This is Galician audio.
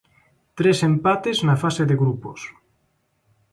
Tres empates na fase de grupos.